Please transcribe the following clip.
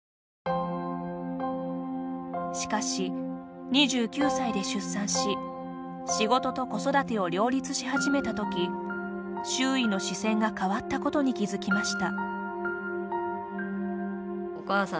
しかし、２９歳で出産し仕事と子育てを両立し始めた時周囲の視線が変わったことに気付きました。